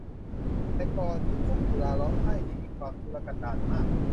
แต่ก่อนนี้ทุ่งกุลาร้องไห้นี้มีความทุรกันดารมาก